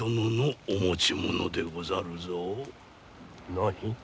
何？